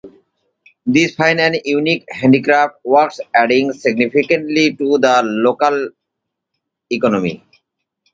These fine and unique handicraft works add significantly to the local economy.